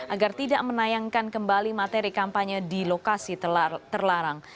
agar tidak menayangkan kembali materi kampanye di lokasi terlarang